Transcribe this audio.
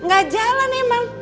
gak jalan emang